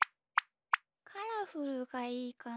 カラフルがいいかな？